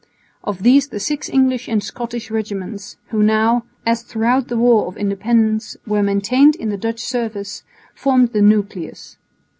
Of these the six English and Scottish regiments, who now, as throughout the War of Independence, were maintained in the Dutch service, formed the nucleus.